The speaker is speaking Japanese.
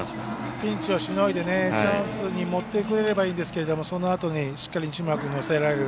ピンチをしのいでチャンスに持ってこれればいいですけどそのあとにしっかり西村君に抑えられる。